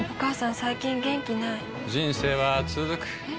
最近元気ない人生はつづくえ？